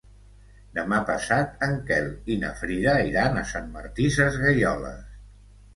Demà passat en Quel i na Frida iran a Sant Martí Sesgueioles.